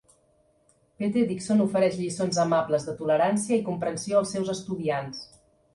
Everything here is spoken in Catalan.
Pete Dixon ofereix lliçons amables de tolerància i comprensió als seus estudiants.